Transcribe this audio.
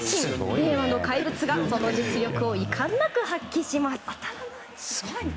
令和の怪物が、その実力をいかんなく発揮します。